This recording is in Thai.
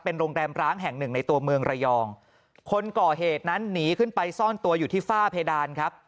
โรงแรมร้างแห่งหนึ่งในตัวเมืองระยองคนก่อเหตุนั้นหนีขึ้นไปซ่อนตัวอยู่ที่ฝ้าเพดานครับ